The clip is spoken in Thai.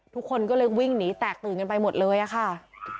ทุกคนก็เลยวิ่งหนีแตกตื่นกันไปหมดเลยอะค่ะ